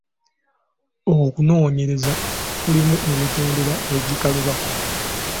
Okunoonyereza kulimu emitendera egikaluba.